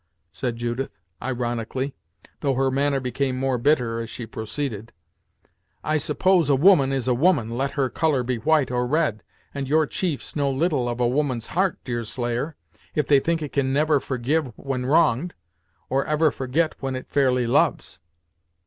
said Judith, ironically; though her manner became more bitter as she proceeded. "I suppose a woman is a woman, let her colour be white, or red, and your chiefs know little of a woman's heart, Deerslayer, if they think it can ever forgive when wronged, or ever forget when it fairly loves."